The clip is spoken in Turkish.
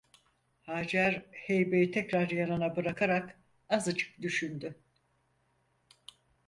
Hacer heybeyi tekrar yanına bırakarak azıcık düşündü.